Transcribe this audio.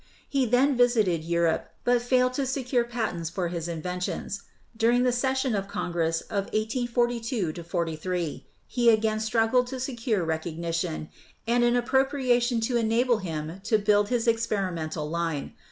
He then visited Europe, but failed to secure patents for his inventions. During the session of Congress of 1842 43 he again struggled to secure recognition and an appropriation to enable him to build his experimental line.